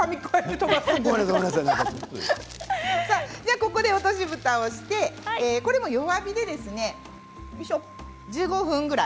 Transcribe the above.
ここで落としぶたをしてこれも弱火で１５分ぐらい。